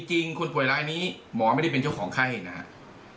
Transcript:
แต่จริงคนผลลายนี้หมอไม่ได้เป็นเจ้าของไข้ครับ